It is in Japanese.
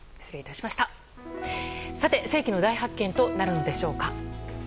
さて、世紀の大発見となるのでしょうか。